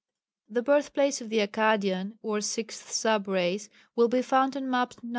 The birthplace of the Akkadian or 6th sub race will be found on Map No.